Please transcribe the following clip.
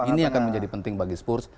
ini akan menjadi penting bagi spurs